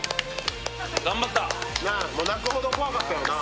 泣くほど怖かったよな。